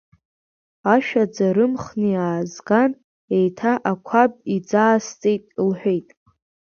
Ашәаӡа рымхны иаазган, еиҭа ақәаб иӡаасҵеит, — лҳәеит.